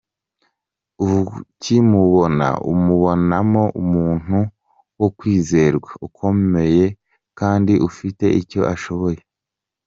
Ukimubona, umubonamo umuntu wo kwizerwa, ukomeye kandi ufite icyo ashoboye.